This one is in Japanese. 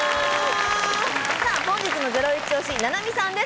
本日のゼロイチ推し、菜波さんです。